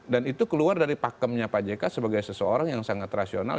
dan itu keluar dari pakemnya pak jk sebagai seseorang yang sangat rasional